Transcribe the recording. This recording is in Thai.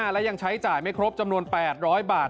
และยังใช้จ่ายไม่ครบจำนวน๘๐๐บาท